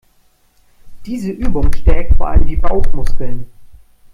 Diese Übung stärkt vor allem die Bauchmuskeln.